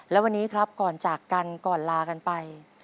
และวันนี้ครับก่อนจากกันก่อนลากันไป